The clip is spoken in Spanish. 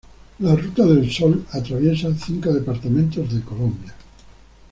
La Ruta del Sol atraviesa cinco departamentos de Colombia.